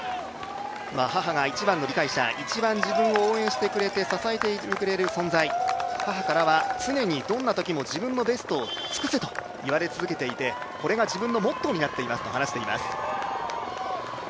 母が一番の理解者、一番自分を応援してくれて支えてくれる存在、母からは常にどんなときも自分のベストを尽くせと言われ続けていてこれが自分のモットーになっていると話しています。